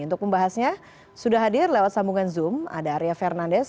untuk membahasnya sudah hadir lewat sambungan zoom ada arya fernandes